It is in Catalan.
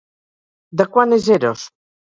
De quant és Eros?